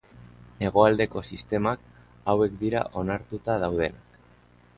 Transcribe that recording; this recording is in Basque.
Hegoaldeko sistemak hauek dira onartuta daudenak.